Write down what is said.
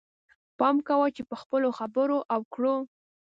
پام کوه چې په خپلو خبرو او کړو.